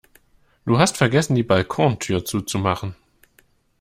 Du hast vergessen, die Balkontür zuzumachen.